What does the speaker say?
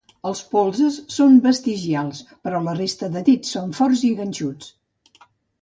Els polzes són vestigials, però la resta de dits són forts i ganxuts.